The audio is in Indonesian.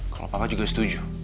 kalo papa juga setuju